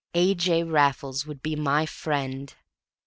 A. J. Raffles would be my friend!